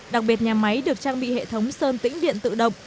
đặc biệt nhà máy được trang bị hệ thống sơn tĩnh điện tự động